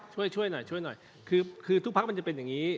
ช่วยช่วยหน่อยช่วยหน่อยคือทุกพักมันจะเป็นอย่างนี้